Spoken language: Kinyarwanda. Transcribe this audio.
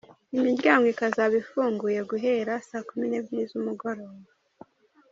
Imiryango ikazaba ifunguye guhera saa kumi n’ebyiri z’umugoroba.